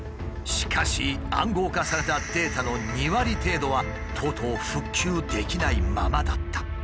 しかし暗号化されたデータの２割程度はとうとう復旧できないままだった。